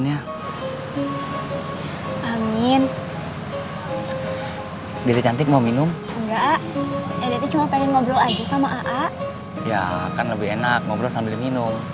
ya kan lebih enak ngobrol sambil minum